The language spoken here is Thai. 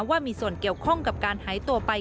ว่ามีส่วนเกี่ยวข้องกับการหายตัวไป